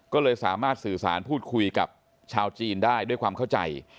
ก็เลยสามารถสื่อสารพูดคุยกับชาวจีนได้ด้วยความเข้าใจ